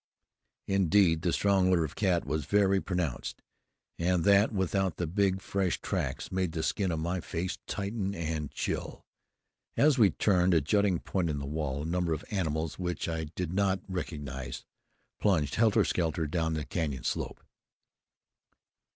Indeed, the strong odor of cat was very pronounced; and that, without the big fresh tracks, made the skin on my face tighten and chill. As we turned a jutting point in the wall, a number of animals, which I did not recognize, plunged helter skelter down the canyon slope.